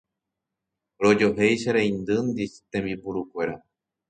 rojohéi che reindyndi tembipurukuéra